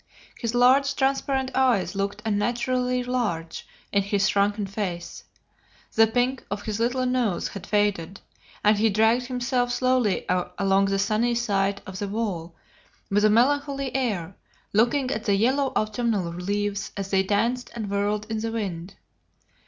His large, transparent eyes looked unnaturally large in his shrunken face: the pink of his little nose had faded, and he dragged himself slowly along the sunny side of the wall with a melancholy air, looking at the yellow autumnal leaves as they danced and whirled in the wind.